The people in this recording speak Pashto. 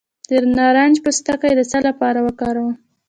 د نارنج پوستکی د څه لپاره وکاروم؟